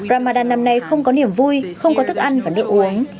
ramadan năm nay không có niềm vui không có thức ăn và nước uống